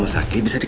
mas aku mau pulang